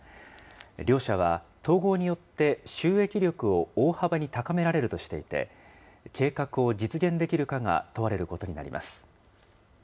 両社は、統合によって収益力を大幅に高められるとしていて、計画を実現できるかが問われることになります。